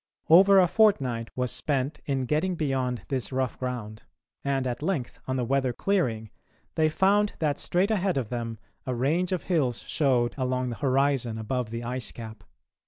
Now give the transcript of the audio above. Over a fortnight was spent in getting beyond this rough ground, and at length, on the weather clearing, they found that straight ahead of them a range of hills showed along the horizon above the ice cap.